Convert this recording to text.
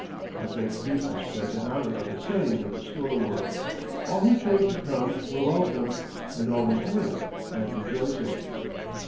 A great feast was spread in honor of the slaying of the Stoorworm. All who chose to come were welcome, and all was mirth and rejoicing.